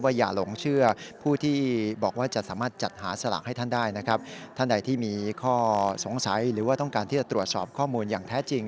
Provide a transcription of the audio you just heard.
อย่าหลงเชื่อผู้ที่บอกว่าจะสามารถจัดหาสลากให้ท่านได้นะครับท่านใดที่มีข้อสงสัยหรือว่าต้องการที่จะตรวจสอบข้อมูลอย่างแท้จริง